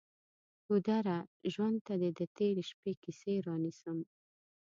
ګودره! ژوند ته دې د تیرې شپې کیسې رانیسم